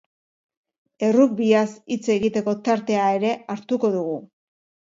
Errugbiaz hitz egiteko tartea ere hartuko dugu.